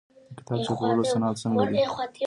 د کتاب چاپولو صنعت څنګه دی؟